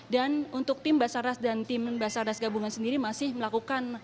dan untuk tim basarnas dan tim basarnas gabungan sendiri masih melakukan